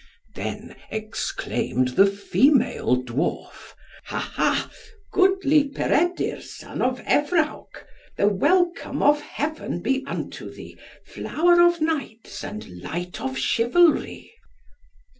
Then exclaimed the female dwarf, "Ha ha! goodly Peredur, son of Evrawc; the welcome of Heaven be unto thee, flower of knights, and light of chivalry."